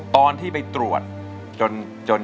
ก็เลยเลิกไม่ได้